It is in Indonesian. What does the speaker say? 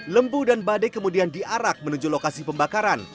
lembu dan bade kemudian diarak menuju lokasi pembakaran